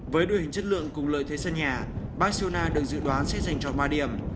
với đội hình chất lượng cùng lợi thế sân nhà barcelona được dự đoán sẽ giành tròn ba điểm